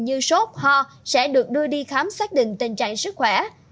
như sốt ho sẽ được đưa đi khám xác định tình trạng sức khỏe